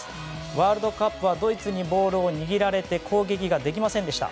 ワールドカップはドイツにボールを握られて攻撃ができませんでした。